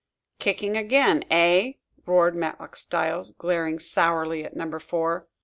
"Kicking again, eh?" roared Matlock Styles, glaring sourly at Number Four.